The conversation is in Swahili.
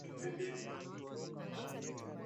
ni vyema ukachemsha viazi na maganda yake